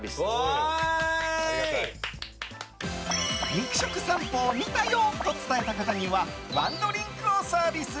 肉食さんぽを見たよと伝えた方にはワンドリンクをサービス。